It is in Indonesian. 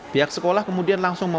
pihak sekolah kemudian menangkapnya